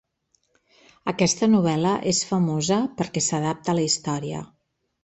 Aquesta novel·la és famosa perquè s'adapta a la història.